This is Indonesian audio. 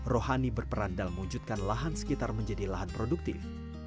rohani berperan dalam mewujudkan lahan sekitar menjadi lahan produktif